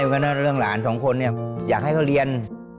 เพราะฉะนั้นเรื่องหลานสองคนเนี่ยอยากให้เขาเรียน